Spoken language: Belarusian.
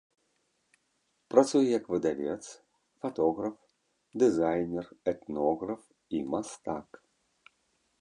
Працуе як выдавец, фатограф, дызайнер, этнограф і мастак.